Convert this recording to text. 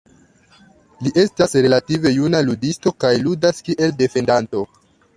Li estas relative juna ludisto kaj ludas kiel defendanto.